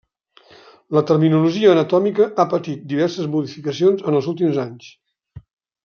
La terminologia anatòmica ha patit diverses modificacions en els últims anys.